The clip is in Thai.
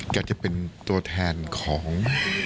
จะเป็นตัวแทนของ